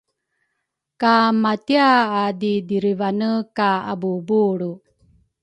ka matiaadidirivane ka abuubulru